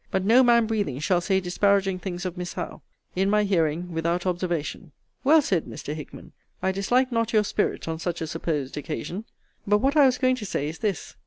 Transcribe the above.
But no man breathing shall say disparaging things of Miss Howe, in my hearing, without observation. Well said, Mr. Hickman. I dislike not your spirit, on such a supposed occasion. But what I was going to say is this.